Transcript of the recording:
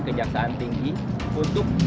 kejaksaan tinggi untuk